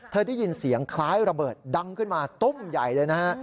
ได้ยินเสียงคล้ายระเบิดดังขึ้นมาตุ้มใหญ่เลยนะฮะ